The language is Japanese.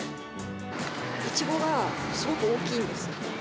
いちごがすごく大きいんですよ。